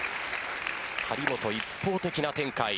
張本一方的な展開。